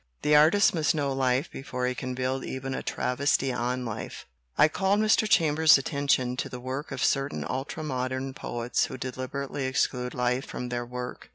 The artist must know life before he can build even a travesty on life." I called Mr. Chambers's attention to the work of certain ultra modern poets who deliberately exclude life from their work.